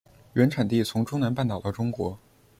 原产地从中南半岛到中国。